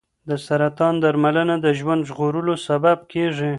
د سرطان درملنه د ژوند ژغورلو سبب کېږي.